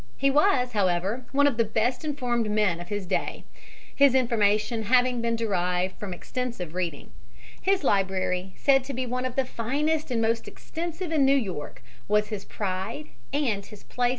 He was, however, one of the best informed men of the day, his information having been derived from extensive reading. His library, said to be one of the finest and most extensive in New York, was his pride and his place of special recreation.